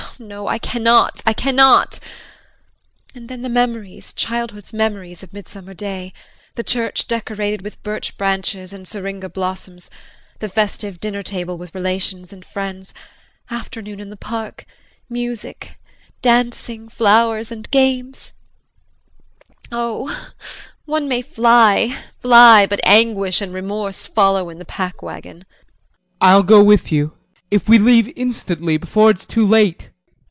No, I cannot, I cannot! And then the memories, childhood's memories of midsummer day the church decorated with birch branches and syringa blossoms; the festive dinner table with relations and friends, afternoon in the park, music, dancing, flowers and games oh, one may fly, fly, but anguish and remorse follow in the pack wagon. JEAN. I'll go with you if we leave instantly before it's too late. JULIE.